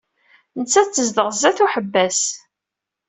Nettat tezdeɣ sdat uḥebbas.